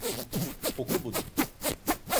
Oku bunu.